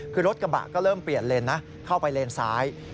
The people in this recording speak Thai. คือรถกระบะก็เริ่มเปลี่ยนเลนนะเข้าไปเลนซ้าย